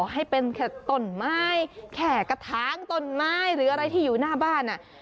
ให้เป็นแค่ต้นไม้แค่กระถางต้นไม้หรืออะไรที่อยู่หน้าบ้าน